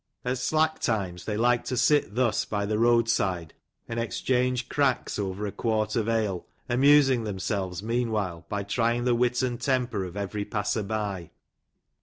At slack times they like to sit thus by the road side, and exchange cracks over a quart of ale, amusing themselves meanwhile by trying the wit and temper of every passer by.